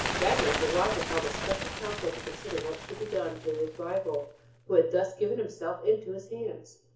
That night the rajah held a special council to consider what should be done to his rival who had thus given himself into his hands.